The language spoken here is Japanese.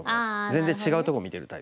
全然違うとこ見てるタイプ。